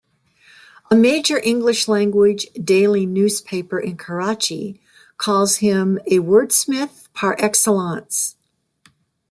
A major English language daily newspaper in Karachi calls him, "a wordsmith par excellence".